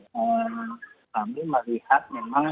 kami melihat memang